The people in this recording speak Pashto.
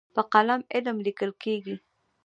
په قلم علم لیکل کېږي.